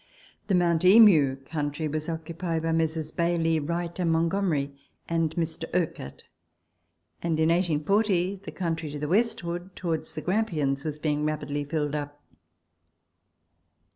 The Mount Emu country was occupied by Messrs. Baillie, Wright and Montgomerie, and Mr. Urquhart, and in 1840 the country to the westward, towards the Grampians, was being rapidly filled up.